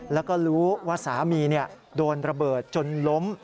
แล้วก็รู้ว่าสามีโดนระเบิดจนล้ม